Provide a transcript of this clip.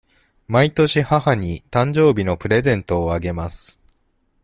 毎年母に誕生日のプレゼントをあげます。